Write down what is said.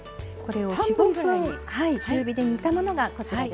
４５分中火で煮たものがこちらですね。